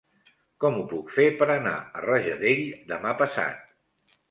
Com ho puc fer per anar a Rajadell demà passat?